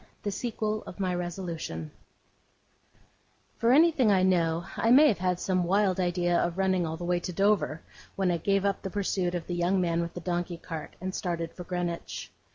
THE SEQUEL OF MY RESOLUTION For anything I know, I may have had some wild idea of running all the way to Dover, when I gave up the pursuit of the young man with the donkey cart, and started for Greenwich.